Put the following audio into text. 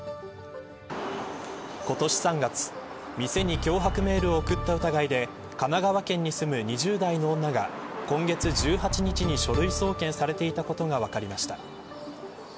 今年３月店に脅迫メールを送った疑いで神奈川県に住む２０代の女が今月１８日に書類送検されていたことが分かりました。